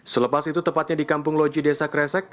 selepas itu tepatnya di kampung loji desa kresek